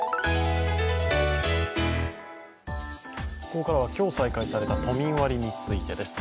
ここからは今日、再開された都民割についてです。